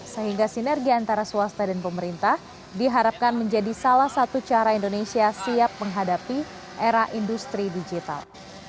sehingga sinergi antara swasta dan pemerintah diharapkan menjadi salah satu cara indonesia siap menghadapi era industri digital